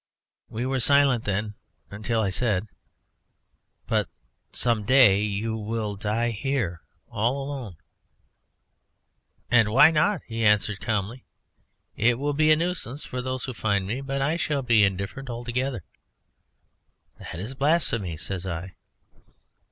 We were silent then until I said: "But some day you will die here all alone." "And why not?" he answered calmly. "It will be a nuisance for those who find me, but I shall be indifferent altogether." "That is blasphemy," says I.